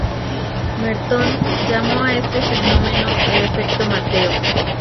Merton llamó a este fenómeno el "efecto Mateo".